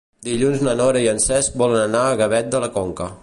Dilluns na Nora i en Cesc volen anar a Gavet de la Conca.